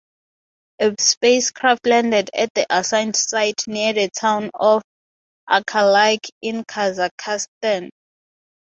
The spacecraft landed at the assigned site near the town of Arkalyk in Kazakhstan.